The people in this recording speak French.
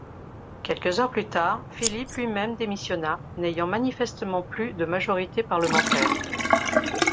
Quelques heures plus tard, Philip lui-même démissionna, n'ayant manifestement plus de majorité parlementaire.